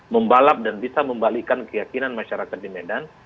membalap dan bisa membalikkan keyakinan masyarakat di medan